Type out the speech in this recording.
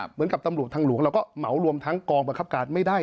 เหมือนกับตำรวจทางหลวงเราก็เหมารวมทั้งกองบังคับการไม่ได้